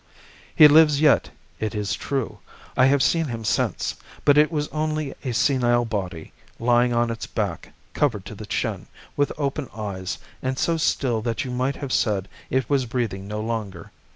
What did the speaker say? "He lives yet, it is true. I have seen him since; but it was only a senile body, lying on its back, covered to the chin, with open eyes, and so still that you might have said it was breathing no longer.